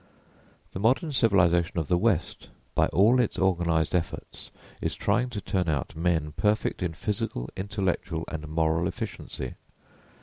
The modern civilisation of the west, by all its organised efforts, is trying to turn out men perfect in physical, intellectual, and moral efficiency.